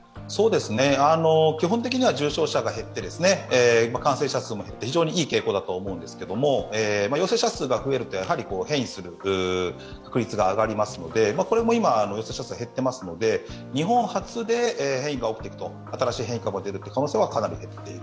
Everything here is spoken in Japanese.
基本的には重症者が減って感染者も減って非常にいい傾向だと思うんですけど、陽性者数が増えると変異する確率が上がりますのでこれも今陽性者数が減っていますので、日本発で変異が起きていく、新しい変異株が出てくる可能性はかなり減っている。